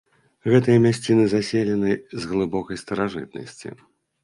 Гэтыя мясціны заселены з глыбокай старажытнасці.